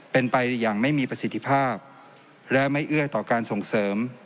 เป็นไปอย่างไม่มีประสิทธิภาพและไม่เอื้อต่อการส่งเสริม